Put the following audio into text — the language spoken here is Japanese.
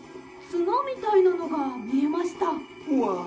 つのみたいなのがみえました。